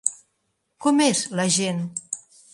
Com és la gent?